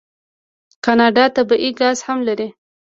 کاناډا طبیعي ګاز هم لري.